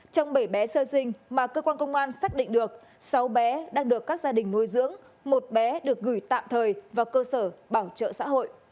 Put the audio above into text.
trong bảy bé sơ sinh mà cơ quan công an xác định được sáu bé đang được các gia đình nuôi dưỡng một bé được gửi tạm thời vào cơ sở bảo trợ xã hội